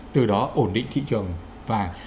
từ đó ổn định thị trường vàng